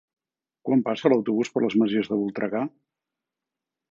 Quan passa l'autobús per les Masies de Voltregà?